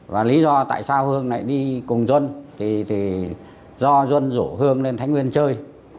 và lý do tại sao hương lại đi cùng duân thì do duân rủ hương lên thanh nguyên chơi